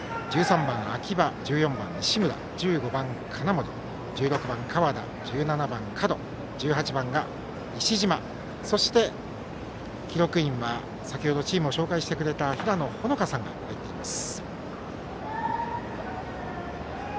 １３番、秋葉１４番、石村１５番、金森１６番河田、１７番が角１８番が石島記録員は先ほどチーム紹介してくれた平野帆香さんが入っています。